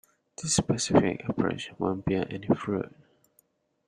This specific approach won't bear any fruit.